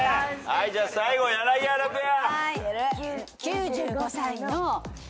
じゃあ最後柳原ペア。